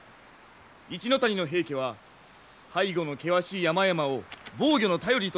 一ノ谷の平家は背後の険しい山々を防御の頼りとしております。